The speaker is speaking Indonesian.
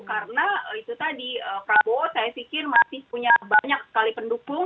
karena itu tadi prabowo saya pikir masih punya banyak sekali pendukung